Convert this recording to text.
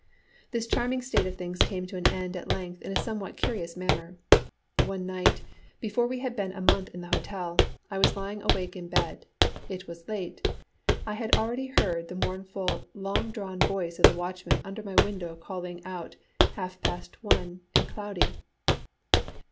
This charming state of things came to an end at length in a somewhat curious manner. One night, before we had been a month in the hotel, I was lying wide awake in bed. It was late; I had already heard the mournful, long drawn voice of the watchman under my window calling out, "Half past one and cloudy."